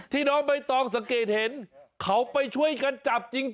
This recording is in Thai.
น้องใบตองสังเกตเห็นเขาไปช่วยกันจับจริง